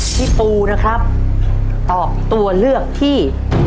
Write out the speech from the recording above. พี่ปูนะครับตอบตัวเลือกที่